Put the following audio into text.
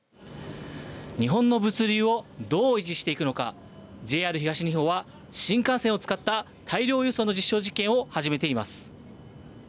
日本の物流をどう維持していくのかＪＲ東日本は新幹線を使った大量輸送の実証実験を始めています。